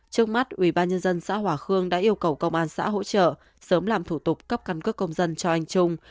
trước mắt ubnd xã hòa khương đã yêu cầu công an xã hỗ trợ sớm làm thủ tục cắp cắn cất công dân cho anh trung